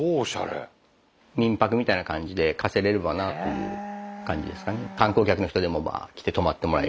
民泊みたいな感じで貸せれればなっていう感じですかね。